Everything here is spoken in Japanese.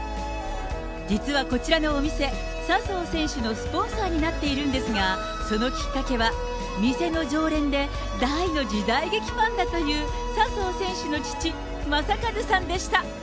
実はこちらのお店、笹生選手のスポンサーになっているんですが、そのきっかけは、店の常連で、大の時代劇ファンだという笹生選手の父、正和さんでした。